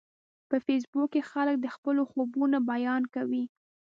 په فېسبوک کې خلک د خپلو خوبونو بیان کوي